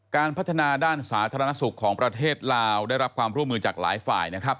การพัฒนาด้านสาธารณสุขของประเทศลาวได้รับความร่วมมือจากหลายฝ่ายนะครับ